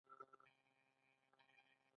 یوازې هوډ وکړئ